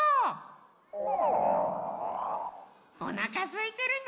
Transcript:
おなかすいてるの？